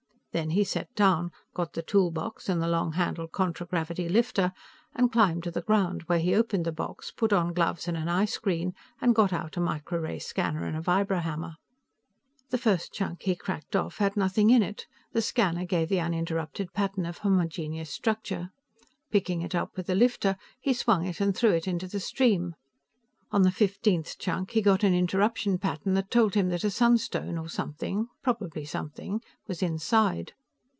Then he set down, got the toolbox and the long handled contragravity lifter, and climbed to the ground where he opened the box, put on gloves and an eyescreen and got out a microray scanner and a vibrohammer. The first chunk he cracked off had nothing in it; the scanner gave the uninterrupted pattern of homogenous structure. Picking it up with the lifter, he swung it and threw it into the stream. On the fifteenth chunk, he got an interruption pattern that told him that a sunstone or something, probably something was inside.